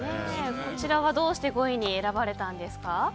こちらは、どうして５位に選ばれたんですか？